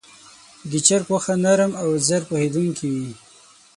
د چرګ غوښه نرم او ژر پخېدونکې وي.